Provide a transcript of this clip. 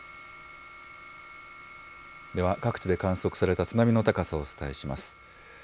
では各地で観測された津波の高さをお伝えします。